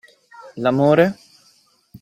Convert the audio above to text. L'amore?